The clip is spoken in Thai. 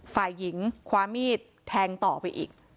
ฝ่ายหญิงคว้ามีดแทงต่อไปอีก